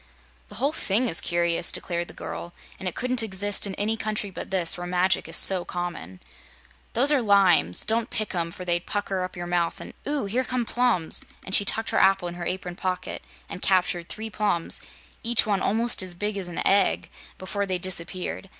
"The whole thing is curious," declared the girl, "and it couldn't exist in any country but this, where magic is so common. Those are limes. Don't pick 'em, for they'd pucker up your mouth and Ooo! here come plums!" and she tucked her apple in her apron pocket and captured three plums each one almost as big as an egg before they disappeared.